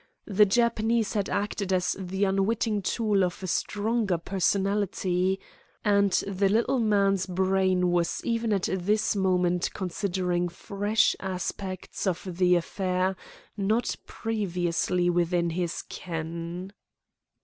The Japanese had acted as the unwitting tool of a stronger personality, and the little man's brain was even at this moment considering fresh aspects of the affair not previously within his ken.